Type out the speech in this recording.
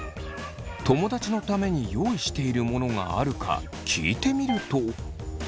友だちのために用意しているものがあるか聞いてみると。